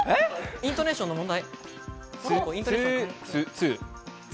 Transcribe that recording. イントネーションの問題。